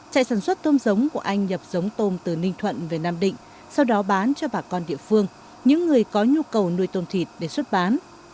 chạy sản xuất tôm giống của anh nhập giống tôm từ ninh thuận về nam định sau đó bán cho bà con địa phương những người có nhu cầu nuôi tôm thịt để xuất bán